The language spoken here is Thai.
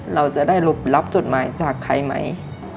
เราจะได้รับจดหมายจากใครไหม